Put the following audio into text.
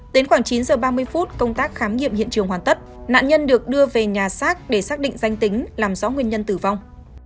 đến khoảng chín h ba mươi phút công tác khám nghiệm hiện trường hoàn tất nạn nhân được đưa về nhà xác để xác định danh tính làm rõ nguyên nhân tử vong